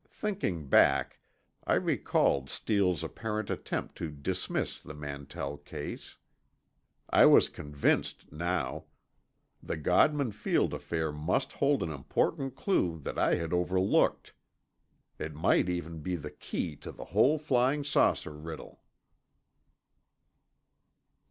Thinking back, I recalled Steele's apparent attempt to dismiss the Mantell case. I was convinced now. The Godman Field affair must hold an important clue that I had overlooked. It might even be the key to the whole flying saucer riddle.